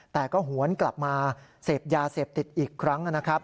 แต่ก็หวนกลับมาเสพยาเสพติดอีกครั้งนะครับ